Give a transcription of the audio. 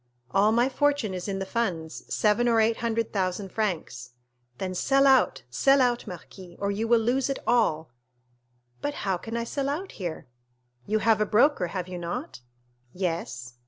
"All my fortune is in the funds; seven or eight hundred thousand francs." "Then sell out—sell out, marquis, or you will lose it all." 0123m "But how can I sell out here?" "You have a broker, have you not?" "Yes."